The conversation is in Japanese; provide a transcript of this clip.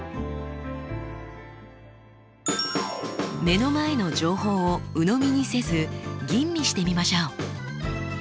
目の前の情報をうのみにせず吟味してみましょう。